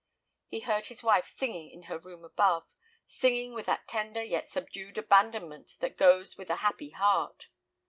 He heard his wife singing in her room above, singing with that tender yet subdued abandonment that goes with a happy heart.